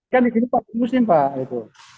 kan di sini pak musim pak